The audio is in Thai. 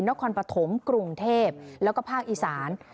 นครปฐมกรุงเทพแล้วก็ภาคอีสาน